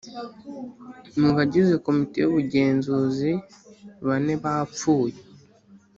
mu bagize Komite y Ubugenzuzi bane bapfuye